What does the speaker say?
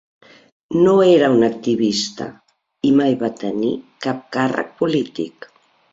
No era un activista i mai va tenir cap càrrec polític.